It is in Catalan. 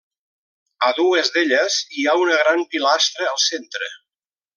A dues d'elles hi ha una gran pilastra al centre.